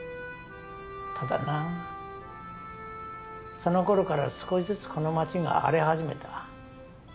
ただなそのころから少しずつこの街が荒れ始めた。